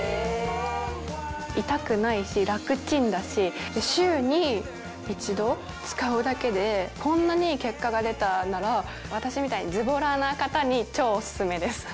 痛くないし楽ちんだし週に一度使うだけでこんなに結果が出たなら私みたいにズボラな方に超オススメです。